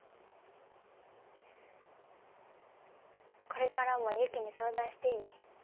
これからも雪に相談していい？